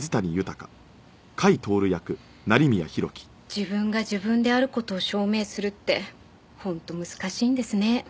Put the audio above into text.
自分が自分である事を証明するって本当難しいんですね。